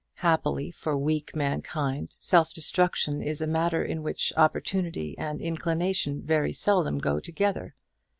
Happily for weak mankind, self destruction is a matter in which opportunity and inclination very seldom go together.